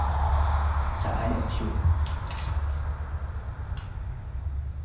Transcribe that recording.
lakini nadhani sasa hivi imefika wakati kwamba